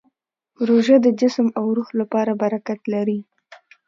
روژه د جسم او روح لپاره برکت لري.